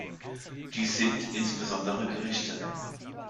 Dies sind insbesondere Gerichte.